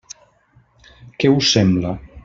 Què us sembla?